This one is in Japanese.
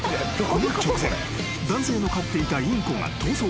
この直前男性の飼っていたインコが逃走］